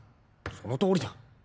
そのとおりだ。